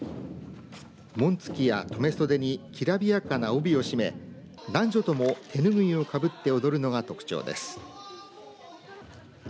紋付きや留め袖にきらびやかな帯を締め男女とも手拭いをかぶって踊るのが特徴です。